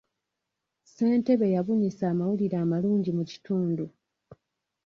Ssentebe yabunyisa amawulire amalungi mu kitundu.